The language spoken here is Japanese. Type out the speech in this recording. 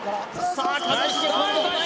さあ